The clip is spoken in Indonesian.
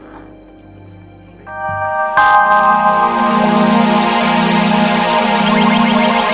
nanti kita beristirahat sama anak anak